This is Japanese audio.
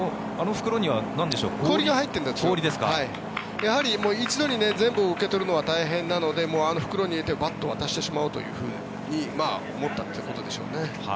やはり、一度に全部受け取るのは大変なのであの袋に入れてバッと渡してしまおうと思ったということでしょうね。